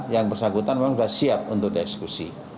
yang bersangkutan memang sudah siap untuk dieksekusi